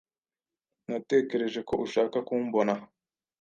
Natekereje ko ushaka kumbona.